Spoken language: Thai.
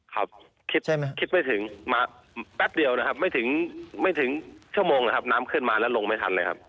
ครับคิดใช่ไหมคิดไม่ถึงมาแป๊บเดียวนะครับไม่ถึงไม่ถึงชั่วโมงนะครับน้ำขึ้นมาแล้วลงไม่ทันเลยครับ